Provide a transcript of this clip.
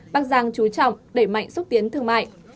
bắc giang chú trọng đẩy mạnh xúc tiến thương mại